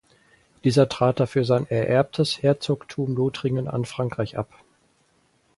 Dieser trat dafür sein ererbtes Herzogtum Lothringen an Frankreich ab.